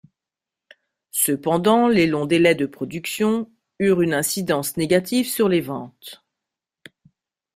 Cependant, les longs délais de production eurent une incidence négative sur les ventes.